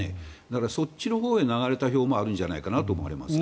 だからそっちのほうに流れた票もあるんじゃないかと思われます。